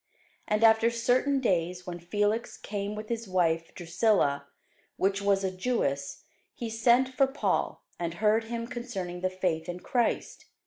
And after certain days, when Felix came with his wife Drusilla, which was a Jewess, he sent for Paul, and heard him concerning the faith in Christ.